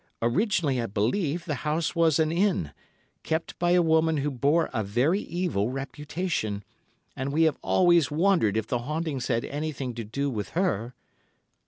Originally, I believe, the house was an inn, kept by a woman who bore a very evil reputation, and we have always wondered if the hauntings had anything to do with her."